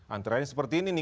antara ini seperti ini nih